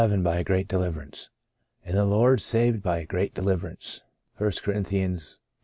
XI BY A GREAT DELIVERANCE « And the Lord saved by a great deliverance." —/ Chron. it.